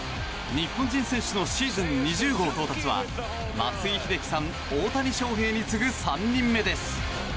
日本人選手のシーズン２０号到達は松井秀喜さん、大谷翔平に次ぐ３人目です。